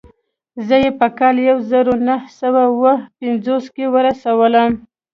زه يې په کال يو زر و نهه سوه اووه پنځوس کې ورسولم.